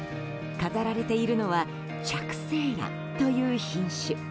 飾られているのは着生ランという品種。